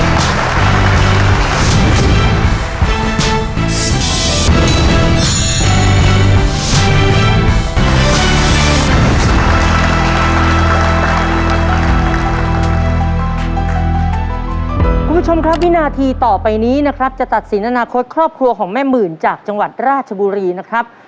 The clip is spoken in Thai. คุณผู้ชมครับวินาทีต่อไปนี้นะครับจะตัดสินอนาคตครอบครัวของแม่หมื่นจากจังหวัดราชบุรีนะครับ